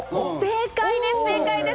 正解です。